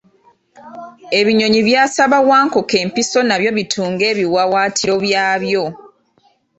Ebinyonyi byasaba Wankoko empiso nabyo bitunge ebiwawaatiro byabyo.